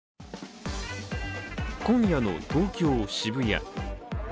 今夜の東京・渋谷。